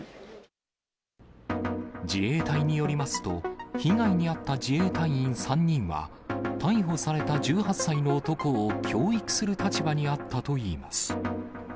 自衛隊によりますと、被害に遭った自衛隊員３人は、逮捕された１８歳の男を教育する立場にあったといいます。